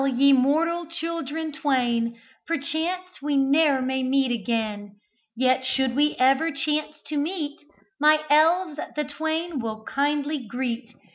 ye mortal children twain, Perchance we ne'er may meet again; Yet, should we ever chance to meet, My elves the twain will kindly greet.